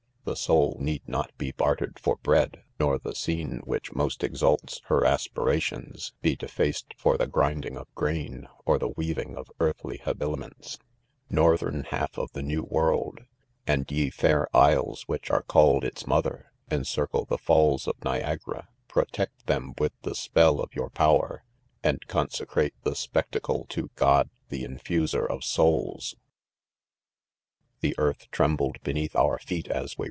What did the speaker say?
~ TEe soul need not be bartered for' bread, nor the u'cem which iridst exalts ' her aspirations be defac ed' for thi grinding of grain, or ibk viewing of earthly habiliments. '»"~^~~.& 'M)fi!krM Mfof ilk n&w iSorld^ mi ~yto fair WsSm. 192 , .IDOMEK.' .;.:■,■ isles which are called its mother, encircle the falls ofjfiagara? protect them with the spell of your power, and consecrate the spectacle v to "God the mfuserofsoulslV c The earth trembled beneath out feet as we.